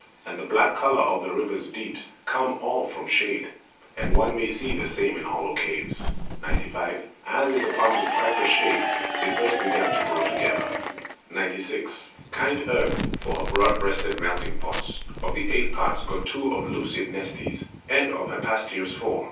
And the black color of the river's deeps Comes all from shade; and one may see the same In hollow caves. Eyes. 95. As, in the palms of Kypris shaped, they first Began to grow together... Bones. 96. Kind Earth for her broad breasted melting pots, Of the eight parts got two of Lucid Nestis, And of Hephaestos four.